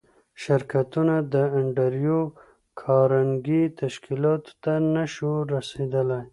شرکتونه د انډریو کارنګي تشکیلاتو ته نشوای رسېدای